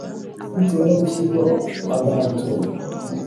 Bitewe no gushyirwaho agahato